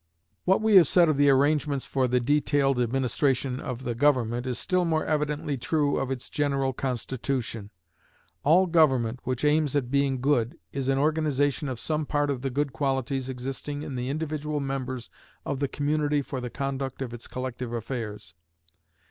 What we have said of the arrangements for the detailed administration of the government is still more evidently true of its general constitution. All government which aims at being good is an organization of some part of the good qualities existing in the individual members of the community for the conduct of its collective affairs.